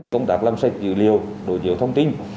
công tác làm sạch dữ liệu đối chiếu thông tin